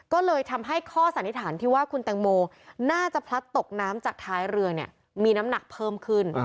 ก็เลยทำให้ข้อสันนิษฐานที่ว่าคุณแตงโมน่าจะพลัดตกน้ำจากท้ายเรือเนี่ยมีน้ำหนักเพิ่มขึ้น